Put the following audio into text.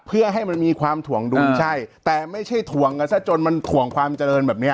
เพื่อให้มันมีความถ่วงดุลใช่แต่ไม่ใช่ถ่วงกันซะจนมันถ่วงความเจริญแบบเนี้ย